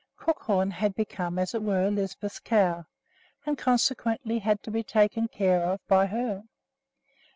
Crookhorn had become, as it were, Lisbeth's cow, and consequently had to be taken care of by her.